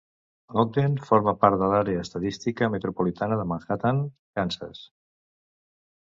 Ogden forma part de l'àrea estadística metropolitana de Manhattan, Kansas.